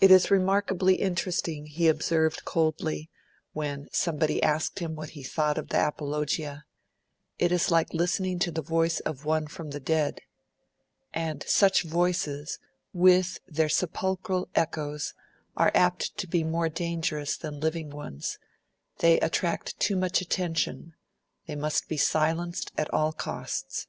'It is remarkably interesting,' he observed coldly, when somebody asked him what he thought of the Apologia: 'it is like listening to the voice of one from the dead.' And such voices, with their sepulchral echoes, are apt to be more dangerous than living ones; they attract too much attention; they must be silenced at all costs.